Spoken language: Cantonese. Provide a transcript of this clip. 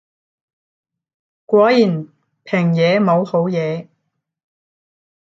果然平嘢冇好嘢